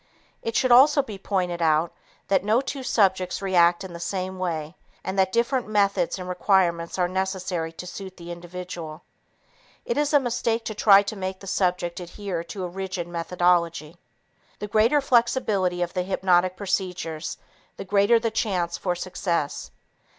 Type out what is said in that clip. It should also be pointed out that no two subjects react in the same way and that different methods and requirements are necessary to suit the individual. It is a mistake to try to make the subject adhere to a rigid methodology. The greater flexibility of the hypnotic procedures, the greater the chance for success.